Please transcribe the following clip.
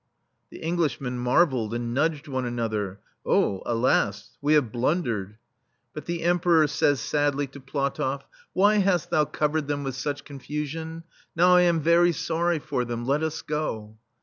'* The Englishmen marvelled, and nudged one another: "Oh, alas! we have blundered!'* But the Emperor says sadly to Pla [lO] THE STEEL FLEA tofF: "Why hast thou covered them with such confusion? Now I am very sorry for them. Let us go."